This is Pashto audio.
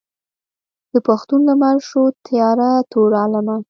د پښتون لمر شو تیاره تور عالمه.